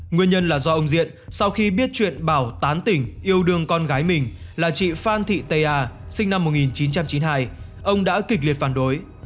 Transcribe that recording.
nguyên nhân là do ông diện sau khi biết chuyện bảo tán tỉnh yêu đương con gái mình là chị phan thị tây a sinh năm một nghìn chín trăm chín mươi hai ông đã kịch liệt phản đối